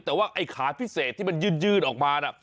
แต่ว่าไอ้ขาพิเศษที่มันยื่นออกมาน่ะ